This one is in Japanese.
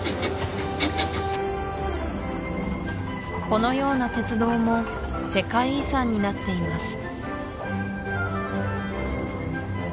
このような鉄道も世界遺産になっています